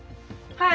はい。